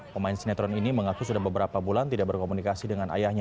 pemain sinetron ini mengaku sudah beberapa bulan tidak berkomunikasi dengan ayahnya